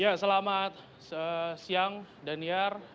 ya selamat siang dan iar